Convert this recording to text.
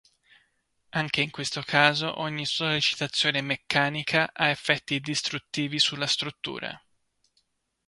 Anche in questo caso ogni sollecitazione meccanica ha effetti distruttivi sulla struttura.